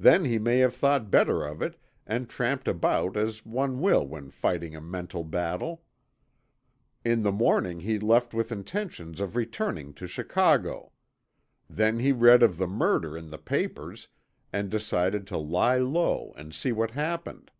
Then he may have thought better of it and tramped about as one will when fighting a mental battle. In the morning he left with intentions of returning to Chicago. Then he read of the murder in the papers and decided to lie low and see what happened.